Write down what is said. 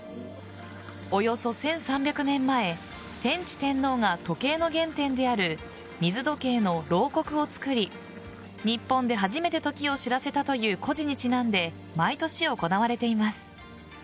およそ１３００年前天智天皇が時計の原点である水時計の漏刻を作り日本で初めて時を知らせたという故事にちなんで毎年行われています。